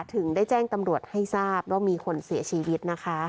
ถึงได้แจ้งตำรวจให้ทราบว่ามีคนเสียชีวิตนะคะ